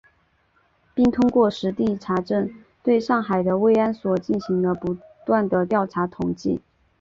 并通过实地查证，对上海的慰安所进行了不断地调查统计